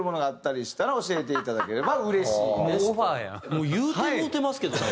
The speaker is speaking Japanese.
もう言うてもうてますけどね。